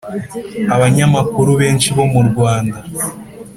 Aba nyamakuru benshi bo murwanda